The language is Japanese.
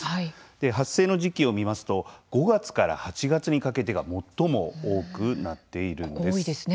発生の時期を見ますと５月から８月にかけてが最も多くなっているんです。